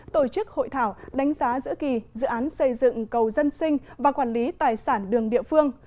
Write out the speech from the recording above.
tổ chức hội thảo đánh giá giữa kỳ dự án xây dựng cầu dân sinh và quản lý tài sản đường địa phương